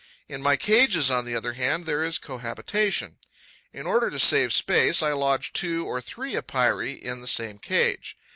In my cages, on the other hand, there is cohabitation. In order to save space, I lodge two or three Epeirae in the same cage.